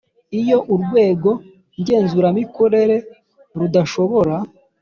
Iyo Urwego Ngenzuramikorere rudashobora